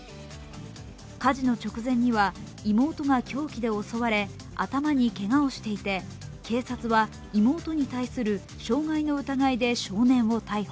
火事の直前には妹が凶器で襲われ頭にけがをしていて、警察は妹に対する傷害の疑いで少年を逮捕。